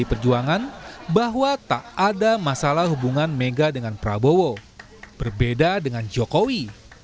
pdi perjuangan bahwa tak ada masalah hubungan mega dengan prabowo berbeda dengan jokowi